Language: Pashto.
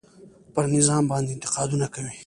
پر نظام باندې انتقادونه کوي.